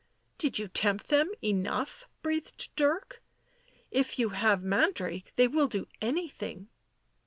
u Did you tempt them enough?" breathed Dirk. " If you have Mandrake they will do anything."